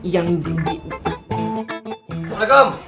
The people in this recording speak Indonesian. yang di di